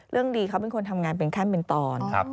เรื่องดีเขาเป็นคนทำงานเป็นขั้นเป็นตอน